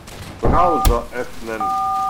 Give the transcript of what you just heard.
Browser öffnen.